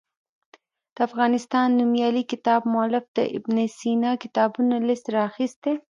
د افغانستان نومیالي کتاب مولف د ابن سینا کتابونو لست راخیستی.